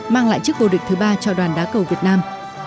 mang lại chiếc vô địch thứ ba cho đoàn đá cầu việt nam